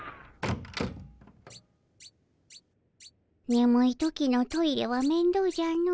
ねむい時のトイレは面倒じゃの。